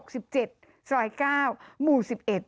ซอย๙หมู่๑๑